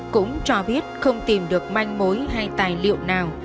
cũng cho biết không tìm được manh mối hay tài liệu nào